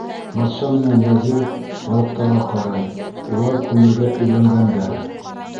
Батша менән вәзир балыҡтарға ҡарай: улар күмергә өйләнгәндәр.